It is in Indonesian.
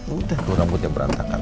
udah tuh rambutnya berantakan